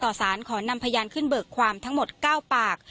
สารขอนำพยานขึ้นเบิกความทั้งหมด๙ปาก